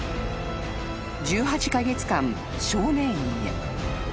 ［１８カ月間少年院へ］